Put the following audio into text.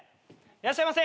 いらっしゃいませ。